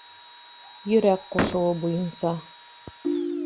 Йөрәк ҡушыуы буйынса.